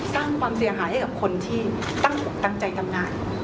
สร้างความเสียหายให้กับคนที่ตั้งอกตั้งใจทำงาน